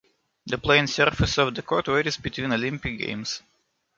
The playing surface of the court varies between Olympic Games.